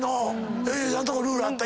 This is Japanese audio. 吉田さんとこルールあった？